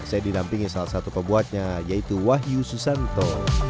saya didampingi salah satu pembuatnya yaitu wahyu susanto